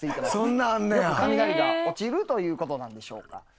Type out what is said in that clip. よく雷が落ちるということなんでしょうか。